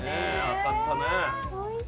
当たったね。